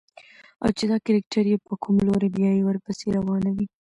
او چې دا کرکټر يې په کوم لوري بيايي ورپسې روانه وي.